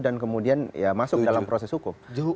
dan kemudian masuk dalam proses hukum